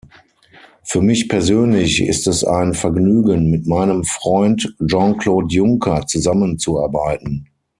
Für mich persönlich ist es ein Vergnügen, mit meinem Freund Jean-Claude Junker zusammenzuarbeiten.